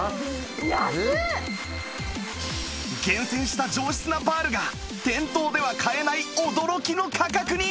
厳選した上質なパールが店頭では買えない驚きの価格に！